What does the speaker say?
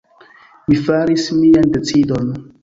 Mi faris mian decidon.